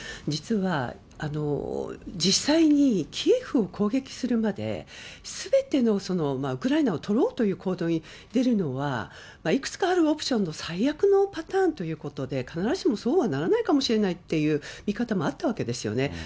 実は、実際にキエフを攻撃するまで、すべてのウクライナを取ろうという行動に出るのは、いくつかあるオプションの最悪のパターンということで、必ずしもそうはならないかもしれないという見方もあったわけですよね。